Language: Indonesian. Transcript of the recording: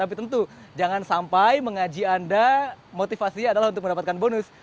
tapi tentu jangan sampai mengaji anda motivasinya adalah untuk mendapatkan bonus